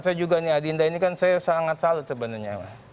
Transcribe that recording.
saya juga nih adinda ini kan saya sangat salut sebenarnya